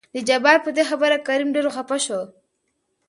د جبار په دې خبره کريم ډېر خپه شو.